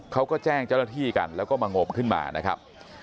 เขาก็แจ้งเจ้าหน้าที่กันแล้วก็มางมขึ้นมานะครับ